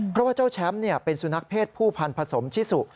เพราะว่าเจ้าแชมป์เป็นสุนัขเพศผู้พันธสมชิสุ